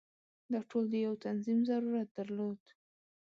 دا ټول د یو تنظیم ضرورت درلود.